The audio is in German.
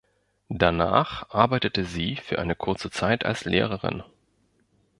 Danach arbeitete sie für eine kurze Zeit als Lehrerin.